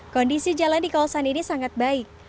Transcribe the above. kondisi jalan di kawasan ini sangat baik